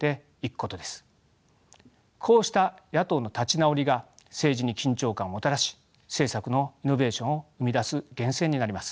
こうした野党の立ち直りが政治に緊張感をもたらし政策のイノベーションを生み出す源泉になります。